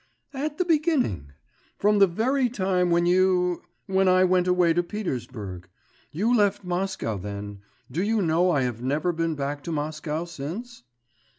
'At the beginning. From the very time when you ... when I went away to Petersburg. You left Moscow then.... Do you know I have never been back to Moscow since!